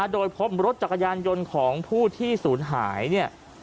โดยพบรถจักรยานยนต์ของผู้ที่ศูนย์หายเนี่ย